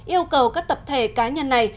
yêu cầu các tập thể cá nhân này